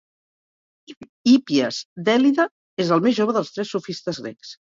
Hípies d'Èlide és el més jove dels tres sofistes grecs.